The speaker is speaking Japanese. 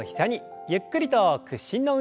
ゆっくりと屈伸の運動です。